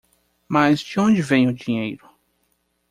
Mas de onde vem o dinheiro?